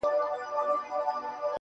• درته ښېرا كومه.